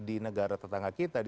di negara tetangga kita